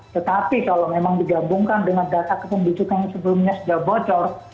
tetapi kalau memang digabungkan dengan data kependudukan yang sebelumnya sudah bocor